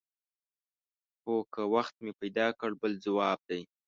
هو که وخت مې پیدا کړ بل ځواب دی.